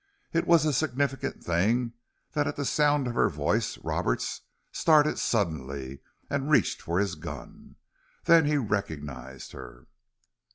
It was a significant thing that at the sound of her voice Roberts started suddenly and reached for his gun. Then he recognized her.